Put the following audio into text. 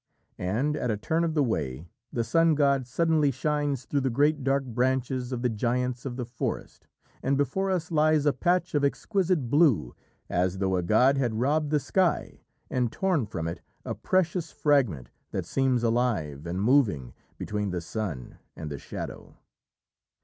And, at a turn of the way, the sun god suddenly shines through the great dark branches of the giants of the forest, and before us lies a patch of exquisite blue, as though a god had robbed the sky and torn from it a precious fragment that seems alive and moving, between the sun and the shadow.